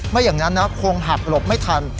ไม่อย่างนั้นนะคงหักหลบไม่ทัน